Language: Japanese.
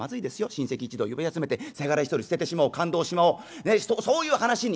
親戚一同呼び集めてせがれ一人捨ててしまおう勘当しちまおうそういう話に。